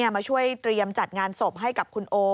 มาช่วยเตรียมจัดงานศพให้กับคุณโอ